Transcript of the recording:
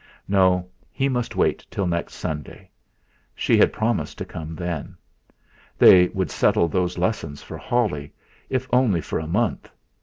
No, he must wait till next Sunday; she had promised to come then. They would settle those lessons for Holly, if only for a month.